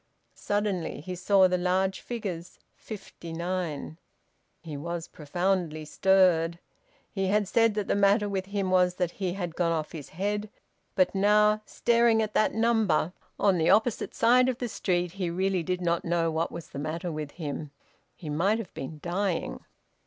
Suddenly he saw the large figures `59.' He was profoundly stirred. He had said that the matter with him was that he had gone off his head; but now, staring at that number on the opposite side of the street, he really did not know what was the matter with him. He might have been dying.